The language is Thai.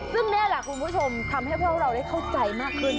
ซึ่งนี่แหละคุณผู้ชมทำให้พวกเราได้เข้าใจมากขึ้น